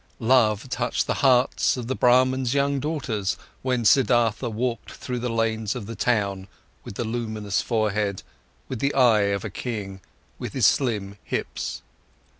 Love touched the hearts of the Brahmans' young daughters when Siddhartha walked through the lanes of the town with the luminous forehead, with the eye of a king, with his slim hips.